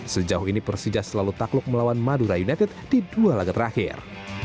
sejauh ini persija selalu takluk melawan madura united di dua laga terakhir